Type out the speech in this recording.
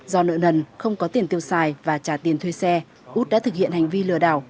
do nợ nần không có tiền tiêu xài và trả tiền thuê xe út đã thực hiện hành vi lừa đảo